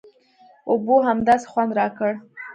اوبو همداسې خوند راکړ.